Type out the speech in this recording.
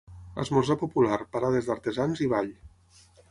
Esmorzar popular, parades d'artesans i ball.